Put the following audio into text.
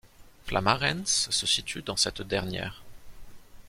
Flamarens se situe dans cette dernière.